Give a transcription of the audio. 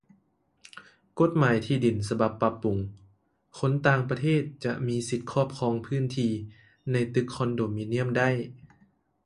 ກົດໝາຍທີ່ດິນສະບັບປັບປຸງຄົນຕ່າງປະເທດຈະມີສິດຄອບຄອງພື້ນທີ່ ໃນຕຶກຄອນໂດມີນຽມໄດ້